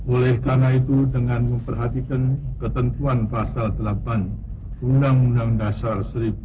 oleh karena itu dengan memperhatikan ketentuan pasal delapan undang undang dasar seribu sembilan ratus empat puluh lima